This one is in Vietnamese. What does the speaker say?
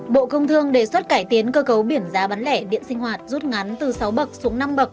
bộ công thương đề xuất cải tiến cơ cấu biểu giá bán lẻ điện sinh hoạt rút ngắn từ sáu bậc xuống năm bậc